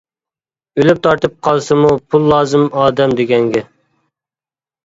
ئۆلۈپ تارتىپ قالسىمۇ پۇل لازىم ئادەم دېگەنگە.